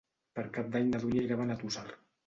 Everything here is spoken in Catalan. Per Cap d'Any na Dúnia irà a Benetússer.